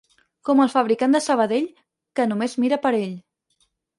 Com el fabricant de Sabadell, que només mira per ell.